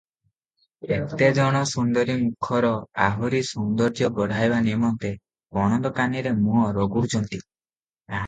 କେତେ ଜଣ ସୁନ୍ଦରୀ ମୁଖର ଆହୁରି ସୌନ୍ଦର୍ଯ୍ୟ ବଢ଼ାଇବା ନିମନ୍ତେ ପଣତକାନିରେ ମୁହଁ ରଗଡୁଛନ୍ତି ।